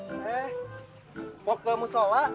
eh mau ke musola